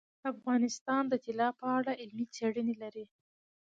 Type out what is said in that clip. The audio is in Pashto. افغانستان د طلا په اړه علمي څېړنې لري.